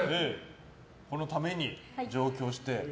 そのために上京をして。